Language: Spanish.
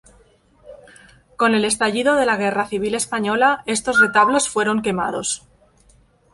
Con el estallido de la guerra civil española estos retablos fueron quemados.